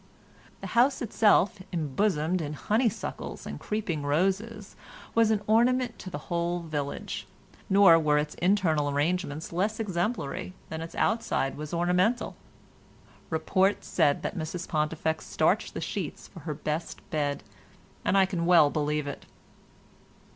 The house itself, embosomed in honeysuckles and creeping roses, was an ornament to the whole village, nor were its internal arrangements less exemplary than its outside was ornamental. Report said that Mrs Pontifex starched the sheets for her best bed, and I can well believe it.